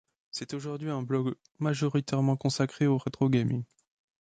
C'est aujourd'hui un blog majoritairement consacré au retro-gaming.